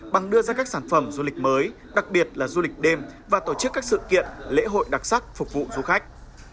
bằng đưa ra các sản phẩm du lịch mới đặc biệt là du lịch đêm và tổ chức các sự kiện lễ hội đặc sắc phục vụ du khách